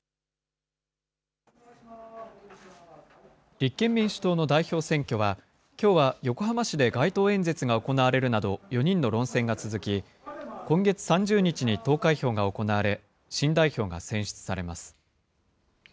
立憲民主党の代表選挙は、きょうは横浜市で街頭演説が行われるなど、４人の論戦が続き、今月３０日に投開票が行われ、新代表が選出されます。